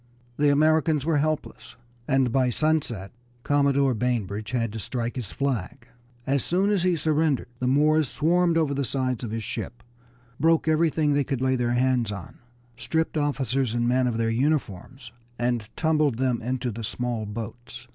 The Americans were helpless, and by sunset Commodore Bainbridge had to strike his flag. As soon as he surrendered the Moors swarmed over the sides of his ship, broke everything they could lay their hands on, stripped officers and men of their uniforms, and tumbled them into the small boats.